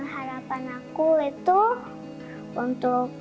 harapan aku itu untuk